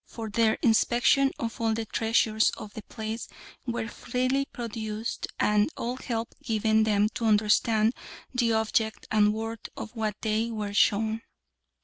For their inspection all the treasures of the place were freely produced, and all help given them to understand the object and worth of what they were shown.